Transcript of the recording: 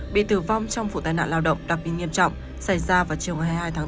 bị tử vong trong vụ tai nạn lao động đặc biệt nghiêm trọng xảy ra vào chiều hai mươi hai tháng bốn